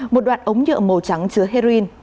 một đoạn ống nhựa màu trắng chứa heroin